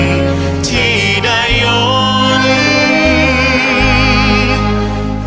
รักทั้งหมุนทั้งหมุน